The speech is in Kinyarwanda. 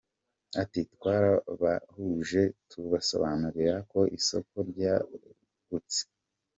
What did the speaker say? Ati “Twarabahuje tubasobanurira ko isoko ryagutse.